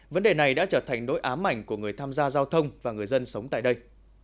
vấn đề này đã trở thành nỗi ám ảnh của người tham gia giao thông và người dân sống tại đây